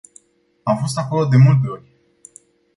Am fost acolo de multe ori.